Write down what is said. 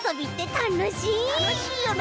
たのしいよな！